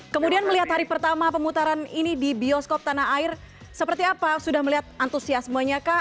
kemudian melihat hari pertama pemutaran ini di bioskop tanah air seperti apa sudah melihat antusiasmenya kah